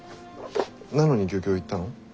なのに漁協行ったの？